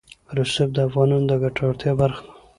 رسوب د افغانانو د ګټورتیا برخه ده.